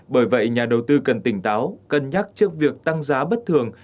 bởi vậy nhà đầu tư cần tỉnh táo cân nhắc trước việc tăng giá bất thường